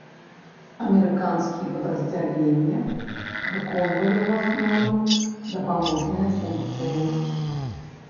Амерыканскія падраздзялення выконвалі ў асноўным дапаможныя функцыі.